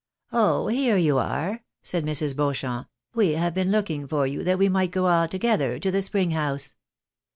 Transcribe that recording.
" Oh, here you are," said Mrs. Beauchamp, " we have been looking for you that we might go all together to the spring house.